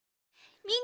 みんな。